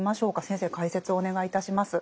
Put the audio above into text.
先生解説をお願いいたします。